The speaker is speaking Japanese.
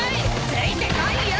ついてこいよ！